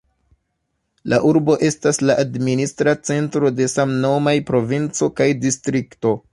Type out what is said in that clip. La urbo estas la administra centro de samnomaj provinco kaj distrikto.